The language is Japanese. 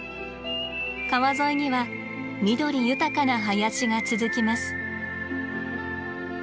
川沿いには緑豊かな林が続きます。